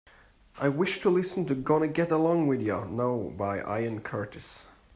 I wish to listen to Gonna Get Along Without Ya Now by Ian Curtis.